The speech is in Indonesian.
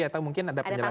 atau mungkin ada penjelasan